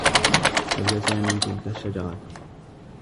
هزّ سامي تلك الشّجرة.